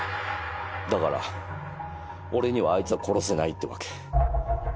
だから俺にはあいつを殺せないってわけ。